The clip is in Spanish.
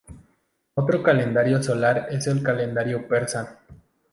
Otro calendario solar es el calendario persa.